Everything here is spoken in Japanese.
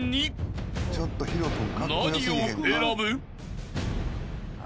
［何を選ぶ？］